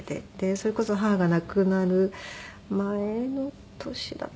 それこそ母が亡くなる前の年だったかな。